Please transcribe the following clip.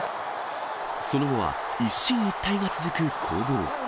その後は、一進一退が続く攻防。